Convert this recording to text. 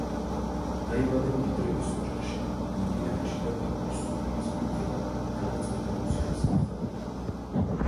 დაიბადა მდიდრების ოჯახში, ინდიანაში და, ბაბუის სურვილის მიუხედავად, გადაწყვიტა, მუსიკას გაჰყოლოდა.